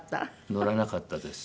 乗らなかったです。